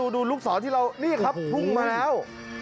ดูลูกศรที่เรานี่ครับพุ่งมาแล้ว